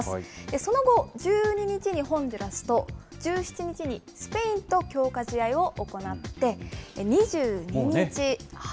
その後、１２日にホンジュラスと、１７日にスペインと強化試合を行って、２２日。